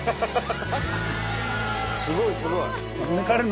すごいすごい。